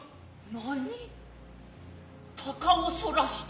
何鷹をそらした其の